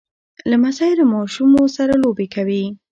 لمسی له ماشومو سره لوبې کوي.